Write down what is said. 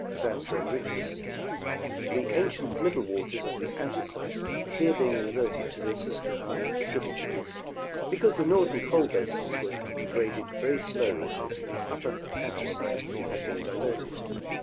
sand stone ridges ; the ancient middle waters of the Anthracite here being inverted to the Susquehanna tributaries, because the northern coal basins were degraded very slowly after the upper Anthracite had been diverted.